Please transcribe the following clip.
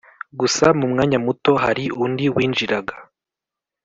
gusa mumwanya muto hari undi winjiraga